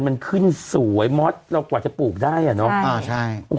มันขึ้นสวยม็อตเรากว่าจะปลูกได้อ่ะเนาะ